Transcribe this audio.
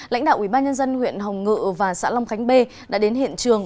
lãnh đạo ubnd huyện hồng ngự và xã long khánh bê đã đến hiện trường